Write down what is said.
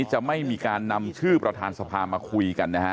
จะไม่มีการนำชื่อประธานสภามาคุยกันนะฮะ